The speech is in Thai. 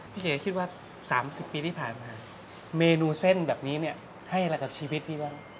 เก๋คิดว่า๓๐ปีที่ผ่านมาเมนูเส้นแบบนี้เนี่ยให้อะไรกับชีวิตพี่บ้าง